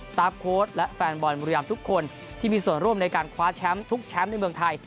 ตาร์ฟโค้ดและแฟนบอลบุรีรำทุกคนที่มีส่วนร่วมในการคว้าแชมป์ทุกแชมป์ในเมืองไทย